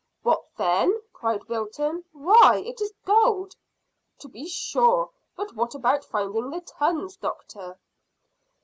"What then?" cried Wilton. "Why, it is gold." "To be sure; but what about finding the tons, doctor?"